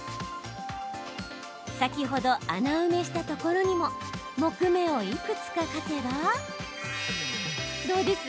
先ほど穴埋めしたところにも木目をいくつか描けばどうです？